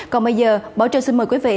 còn bây giờ bảo trợ xin mời quý vị